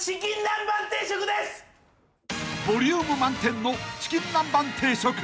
［ボリューム満点のチキン南蛮定食］